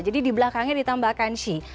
jadi di belakangnya ditambahkan she